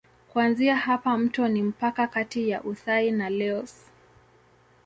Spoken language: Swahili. Kuanzia hapa mto ni mpaka kati ya Uthai na Laos.